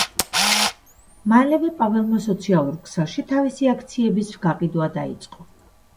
მალევე პაველმა სოციალურ ქსელში თავისი აქციების გაყიდვა დაიწყო.